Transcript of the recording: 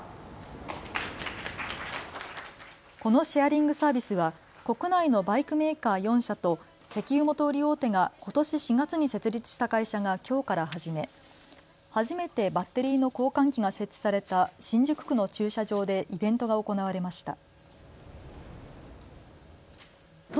このシェアリングサービスは国内のバイクメーカー４社と石油元売り大手がことし４月に設立した会社がきょうから始め初めてバッテリーの交換機が設置された新宿区の駐車場でイベントが行われました。